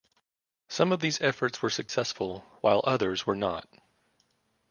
Some of these efforts were successful, while others were not.